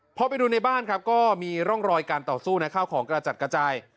พอไปดูในบ้านครับก็มีร่องรอยการต่อสู้นะข้าวของกระจัดกระจาย